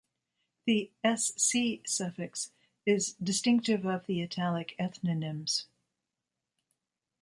The -sc- suffix is "distinctive of the Italic ethnonyms".